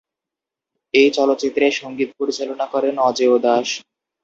এই চলচ্চিত্রে সংগীত পরিচালনা করেন অজয় দাস।